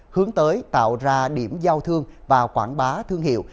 hướng tới tạo ra điểm giao thương và quảng bá thương hiệu